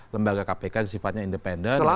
lembaga kpk sifatnya independen